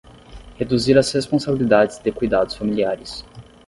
Reduzir as responsabilidades de cuidados familiares